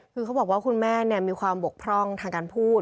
คือเขาบอกว่าคุณแม่มีความบกพร่องทางการพูด